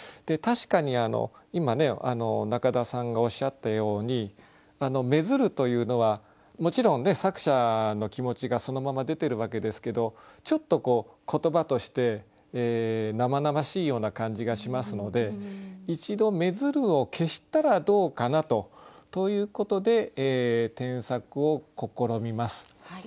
確かに今中田さんがおっしゃったように「愛づる」というのはもちろんね作者の気持ちがそのまま出てるわけですけどちょっとこう言葉として生々しいような感じがしますので一度「愛づる」を消したらどうかなと。ということで添削を試みます。